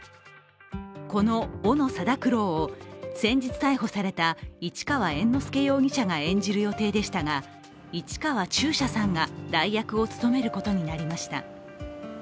この斧定九郎を先日、逮捕された市川猿之助容疑者が演じる予定でしたが市川中車さんが代役を務めることになりました。